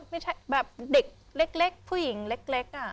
ไม่ใช่แบบเด็กเล็กผู้หญิงเล็ก